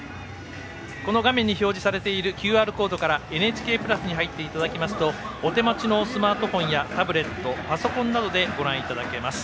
この画面に表示されているＱＲコードからＮＨＫプラスに入っていただきますとお手持ちのスマートフォンやタブレット、パソコンなどでご覧いただけます。